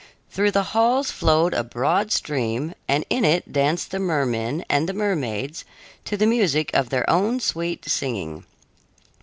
Through the halls flowed a broad stream, and in it danced the mermen and the mermaids to the music of their own sweet singing.